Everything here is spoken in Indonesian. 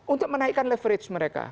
untuk menaikkan leverage mereka